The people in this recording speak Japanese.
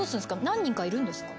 何人かいるんですか？